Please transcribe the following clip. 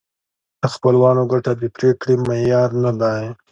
د خپلوانو ګټه د پرېکړې معیار نه دی.